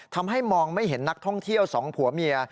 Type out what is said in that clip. ทำให้มองไม่เห็นนักท่องเที่ยวสองผัวเมีย